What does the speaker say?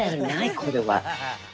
これは。